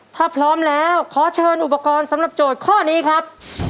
ถ้าพร้อมแล้วขอเชิญอุปกรณ์สำหรับโจทย์ข้อนี้ครับ